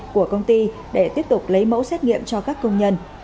của công ty để tiếp tục lấy mẫu xét nghiệm cho các công nhân